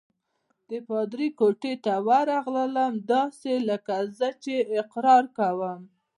د پادري کوټې ته ورغلم، داسې لکه زه چې اقرار کوم.